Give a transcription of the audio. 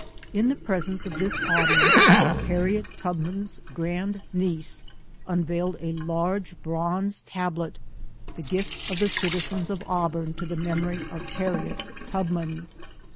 In the presence of this audience, Harriet Tub man's grand niece unveiled a large bronze tablet the gift of the citizens of Auburn to the memory of Harriet Tubman.